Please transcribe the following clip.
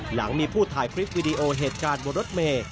หลังมีผู้ถ่ายคลิปวิดีโอเหตุการณ์บนรถเมย์